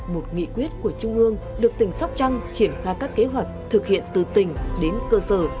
một nghị quyết của trung ương được tỉnh sóc trăng triển khai các kế hoạch thực hiện từ tỉnh đến cơ sở